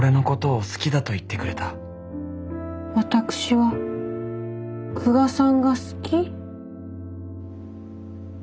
私は久我さんが好き。